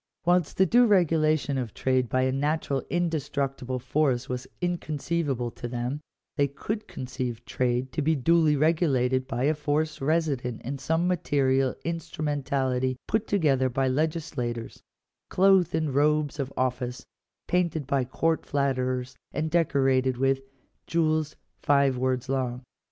Whilst the due regulation of trade by a natural indestructible force was inconceivable to them, they could conceive trade to be duly re gulated by a force resident in some material instrumentality put together by legislators, clothed in the robes of office, painted by court flatterers, and decorated with "jewels five words long."